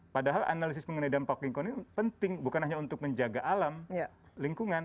padahal analisis mengenai dampak lingkungan ini penting bukan hanya untuk menjaga alam lingkungan